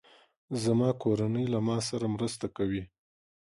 زما کورنۍ له ما سره مرسته کوي.